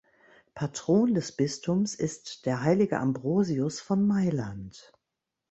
Patron des Bistums ist der heilige Ambrosius von Mailand.